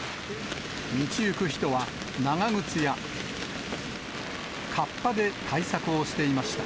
道行く人は、長靴やかっぱで対策をしていました。